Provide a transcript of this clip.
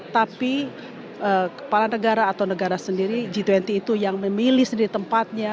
tapi kepala negara atau negara sendiri g dua puluh itu yang memilih sendiri tempatnya